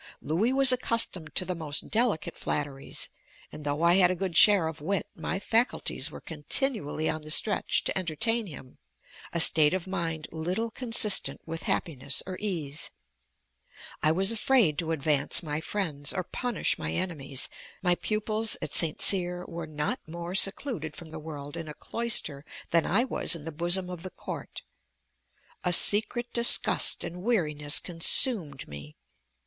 Louis was accustomed to the most delicate flatteries; and though I had a good share of wit, my faculties were continually on the stretch to entertain him, a state of mind little consistent with happiness or ease; I was afraid to advance my friends or punish my enemies. My pupils at St. Cyr were not more secluded from the world in a cloister than I was in the bosom of the court; a secret disgust and weariness consumed me.